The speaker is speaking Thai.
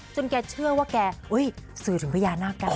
จนแกเชื่อว่าแกอุ๊ยสื่อถึงพระยาหน้ากลาง